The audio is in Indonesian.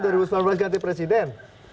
dari usaha berganti presiden